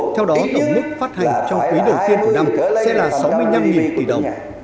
theo đó tổng mức phát hành trong quý đầu tiên của năm sẽ là sáu mươi năm tỷ đồng